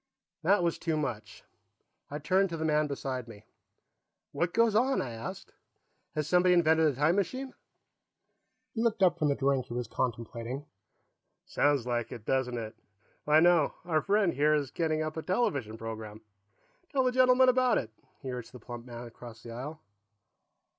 That was too much. I turned to the man beside me. "What goes on?" I asked. "Has somebody invented a time machine?" He looked up from the drink he was contemplating and gave me a grin. "Sounds like it, doesn't it? Why, no; our friend here is getting up a television program. Tell the gentleman about it," he urged the plump man across the aisle.